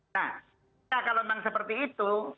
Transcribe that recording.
nah kalau memang seperti itu